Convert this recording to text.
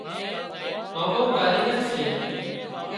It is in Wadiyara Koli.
مامو ڪايڳر سي